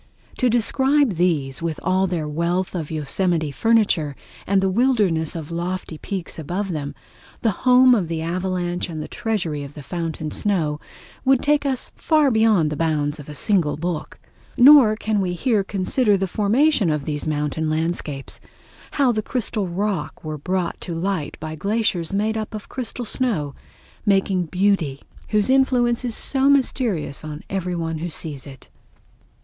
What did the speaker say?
To describe these, with all their wealth of Yosemite furniture, and the wilderness of lofty peaks above them, the home of the avalanche and treasury of the fountain snow, would take us far beyond the bounds of a single book. Nor can we here consider the formation of these mountain landscapes—how the crystal rock were brought to light by glaciers made up of crystal snow, making beauty whose influence is so mysterious on every one who sees it.